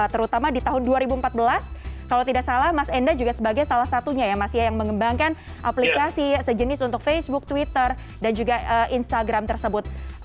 terutama di tahun dua ribu empat belas kalau tidak salah mas enda juga sebagai salah satunya ya mas ya yang mengembangkan aplikasi sejenis untuk facebook twitter dan juga instagram tersebut